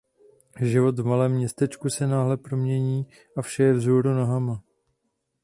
Život v malém městečku se náhle promění a vše je "vzhůru nohama".